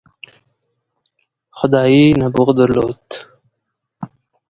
خدايي نبوغ درلود.